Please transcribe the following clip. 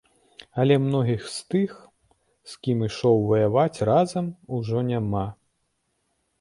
Але многіх з тых, з кім ішоў ваяваць разам, ужо няма.